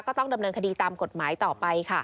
ก็ต้องดำเนินคดีตามกฎหมายต่อไปค่ะ